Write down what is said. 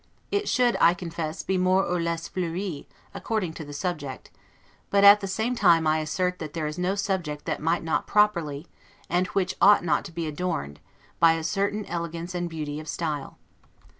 It should, I confess, be more or less 'fleuri', according to the subject; but at the same time I assert that there is no subject that may not properly, and which ought not to be adorned, by a certain elegance and beauty of style.